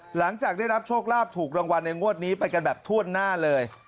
หลังจากได้รับโชคลาภถูกรางวัลในงวดนี้ไปกันแบบถ้วนหน้าเลย